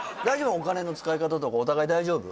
お金の使い方とかお互い大丈夫？